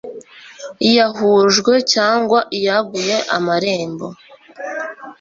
yahujwe cyangwa iyaguye amarembo